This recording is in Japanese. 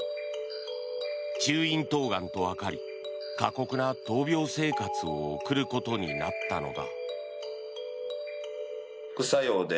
中咽頭がんとわかり過酷な闘病生活を送ることになったのだ。